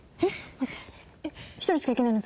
えっ１人しか行けないの？